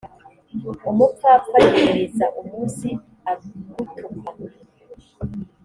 umupfapfa yiriza umunsi agutuka